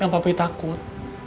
yang papih takut